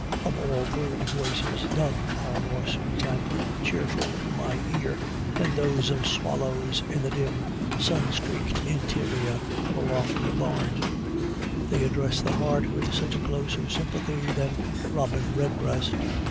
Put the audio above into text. Of all bird voices, none are more sweet and cheerful to my ear than those of swallows in the dim, sun streaked interior of a lofty barn; they address the heart with even a closer sympathy than Robin Redbreast.